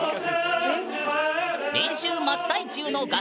練習真っ最中の合唱曲